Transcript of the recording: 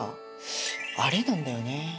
アレなんだよね。